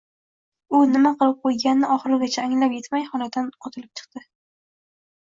U nima qilib qo‘yganini oxirigacha anglab yetmay, xonadan otilib chiqdi…